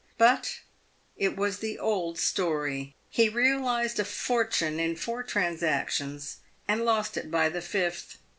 But it was the old story. He realised a fortune in four trans actions, and lost it by the fifth.